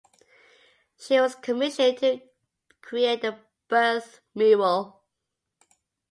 She was commissioned to create the "Birth" mural.